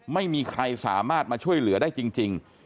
ไม่มีใครสามารถมาช่วยเหลือได้จริง